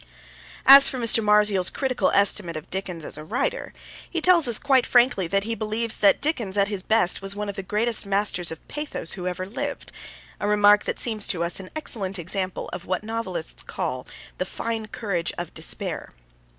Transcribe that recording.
As for Mr. Marzials' critical estimate of Dickens as a writer, he tells us quite frankly that he believes that Dickens at his best was 'one of the greatest masters of pathos who ever lived,' a remark that seems to us an excellent example of what novelists call 'the fine courage of despair.'